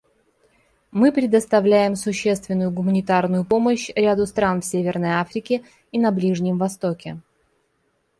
Мы предоставляем существенную гуманитарную помощь ряду стран в Северной Африке и на Ближнем Востоке.